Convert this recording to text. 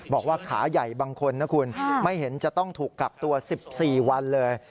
บอกว่าขาใหญ่บางคนนะคุณไม่เห็นจะต้องถูกกักตัว๑๔วันเลย